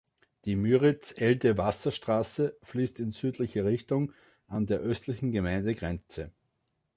Die Müritz-Elde-Wasserstraße fließt in südlicher Richtung an der östlichen Gemeindegrenze.